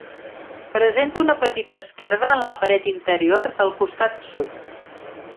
Presenta una petita esquerda en la paret interior del costat sud.